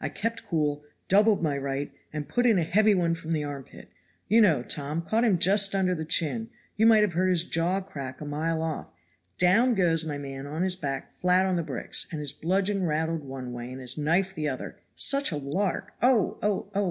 I kept cool, doubled my right, and put in a heavy one from the armpit; you know, Tom; caught him just under the chin, you might have heard his jaw crack a mile off; down goes my man on his back flat on the bricks, and his bludgeon rattled one way and his knife the other such a lark. Oh! oh! oh!